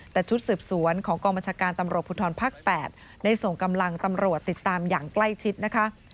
แต่ชุดสืบสวนของกองบัญชาการตำรวจภูทรภาค๘ได้ส่งกำลังตำรวจติดตามอย่างใกล้ชิดนะคะ